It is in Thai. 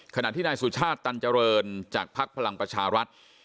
ขณะที่นายสุชาติตันเจริญจากภักดิ์พลังประชารัฐ